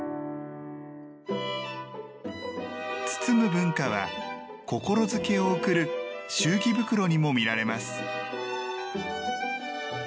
包む文化は心付けを贈る祝儀袋にも見られます。